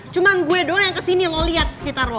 cuma gue doang yang ke sini lo liat sekitar lo